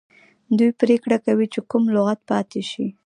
دوی پریکړه کوي چې کوم لغت پاتې شي.